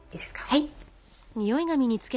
はい。